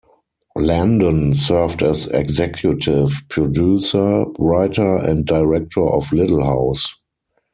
Landon served as executive producer, writer, and director of Little House.